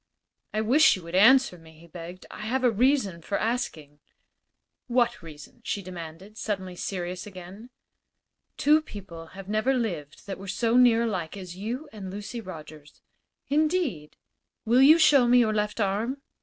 "I wish you would answer me," he begged. "I have a reason for asking." "What reason?" she demanded, suddenly serious again. "Two people have never lived that were so near alike as you and Lucy Rogers." "Indeed?" "Will you show me your left arm?"